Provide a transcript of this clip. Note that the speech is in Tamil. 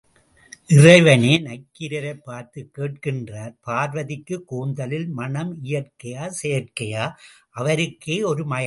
இறைவனே நக்கீரரைப் பார்த்துக் கேட்கின்றார் பார்வதிக்குக் கூந்தலில் மணம் இயற்கையா செயற்கையா? அவருக்கே ஒரு மயக்கம்.